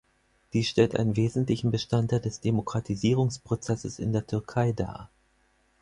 Dies stellt einen wesentlichen Bestandteil des Demokratisierungsprozesses in der Türkei dar.